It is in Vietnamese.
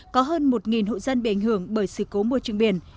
có hơn một hộ dân bị ảnh hưởng bởi sự cố môi trường biển